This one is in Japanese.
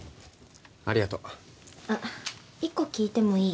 ありがとうあっ１個聞いてもいい？